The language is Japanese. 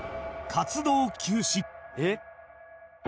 「えっ！」